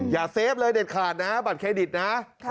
เซฟเลยเด็ดขาดนะบัตรเครดิตนะ